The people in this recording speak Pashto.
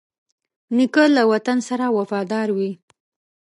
نیکه له وطن سره وفادار وي.